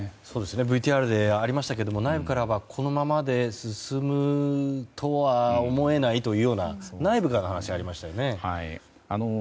ＶＴＲでありましたが内部からはこのままで進むとは思えないというような内部からの話がありましたね。